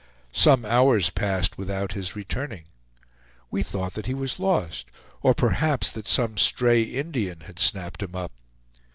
Some hours passed without his returning. We thought that he was lost, or perhaps that some stray Indian had snapped him up.